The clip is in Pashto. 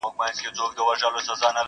یو يې زوی وو په کهاله کي نازولی.!